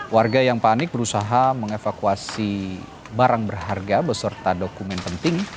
warga yang panik berusaha mengevakuasi barang berharga beserta dokumen penting